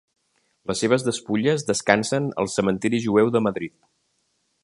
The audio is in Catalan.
Les seves despulles descansen al cementiri jueu de Madrid.